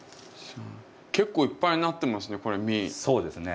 結構いっぱいなってますね。